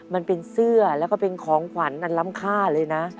มันเป็นเสื้อแล้วก็เป็นของขวัญอันล้ำค่าเลยนะ